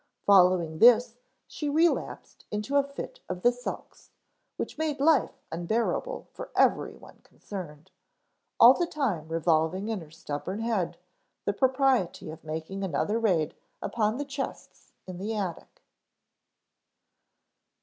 Following this she relapsed into a fit of the sulks, which made life unbearable for every one concerned; all the time revolving in her stubborn head the propriety of making another raid upon the chests in the attic.